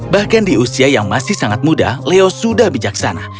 bahkan di usia yang masih sangat muda leo sudah bijaksana